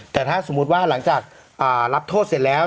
แต่ถ้าสมมุติว่าหลังจากรับโทษเสร็จแล้ว